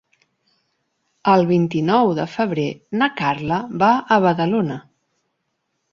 El vint-i-nou de febrer na Carla va a Badalona.